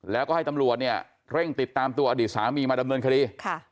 แล้วก็ให้ตำรวจเนี่ยเร่งติดตามตัวอดีตสามีมาดำเนินคดี